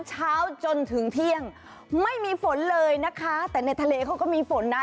เช้าจนถึงเที่ยงไม่มีฝนเลยนะคะแต่ในทะเลเขาก็มีฝนนะ